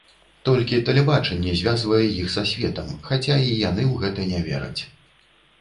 Толькі тэлебачанне звязвае іх са светам, хаця і яны ў гэта не вераць.